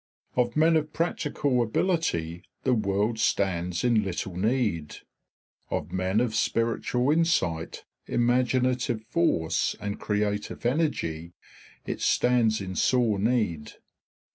Of men of practical ability the world stands in little need; of men of spiritual insight, imaginative force, and creative energy it stands in sore need.